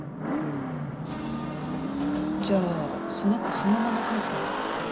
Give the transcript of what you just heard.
じゃあその子そのまま帰ったんだ？